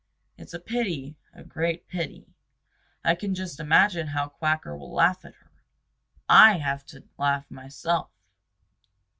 It's a pity, a great pity. I can just imagine how Quacker will laugh at her. I have to laugh myself."